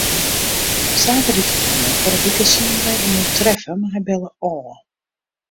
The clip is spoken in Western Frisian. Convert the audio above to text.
Saterdeitemoarn foar in wike soene wy inoar treffe, mar hy belle ôf.